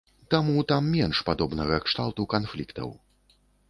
Таму там менш падобнага кшталту канфліктаў.